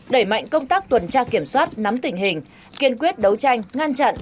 đẩy mạnh công tác tuần tra kiểm soát nắm tình hình kiên quyết đấu tranh ngăn chặn